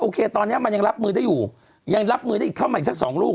เคตอนนี้มันยังรับมือได้อยู่ยังรับมือได้อีกเข้ามาอีกสักสองลูก